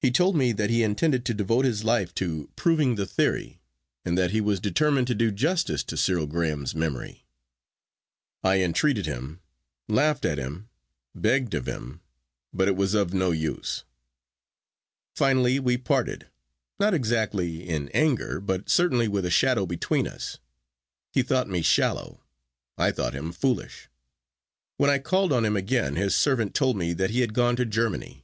He told me that he intended to devote his life to proving the theory, and that he was determined to do justice to Cyril Graham's memory. I entreated him, laughed at him, begged of him, but it was of no use. Finally we parted, not exactly in anger, but certainly with a shadow between us. He thought me shallow, I thought him foolish. When I called on him again his servant told me that he had gone to Germany.